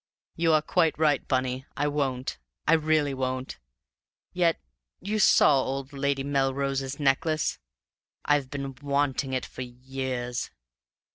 "You're quite right, Bunny. I won't. I really won't. Yet you saw old Lady Melrose's necklace? I've been wanting it for years!